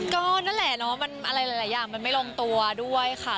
ก็นั่นแหละเนาะมันอะไรหลายอย่างมันไม่ลงตัวด้วยค่ะ